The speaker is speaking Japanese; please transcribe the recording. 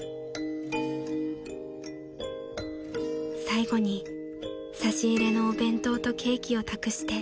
［最後に差し入れのお弁当とケーキを託して］